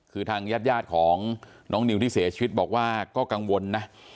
คือทางญาติยาดของน้องนิวที่เสียชีวิตบอกว่าก็กังวลนะ